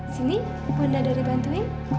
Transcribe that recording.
sini bunda dabi bantuin